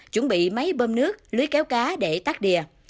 chuẩn bị máy bơm nước lưới kéo cá để tắt đìa